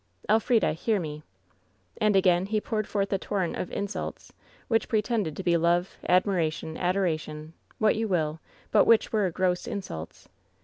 Elf rida, hear me !' "And again he poured forth a torrent of insults, which pretended to be love, admiration, adoration — what you will, but which were gross insults.